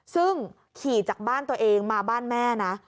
ซึ่งขี่จากบ้านตัวเองมาบ้านแม่นะ